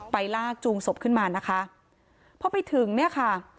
ลากจูงศพขึ้นมานะคะพอไปถึงเนี่ยค่ะ